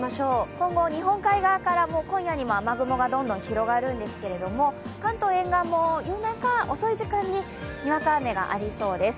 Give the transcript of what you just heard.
今後、日本海側から今夜にも雨雲がどんどん広がるんですけど、関東沿岸も夜中遅い時間ににわか雨がありそうです。